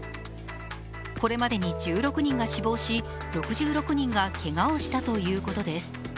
これまでに１６人が死亡し６６人がけがをしたということです。